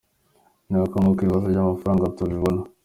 Ni uko nguko ibibazo by’amafaranga tubibona.